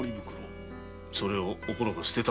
それをおこのが捨てたのだ。